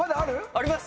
あります！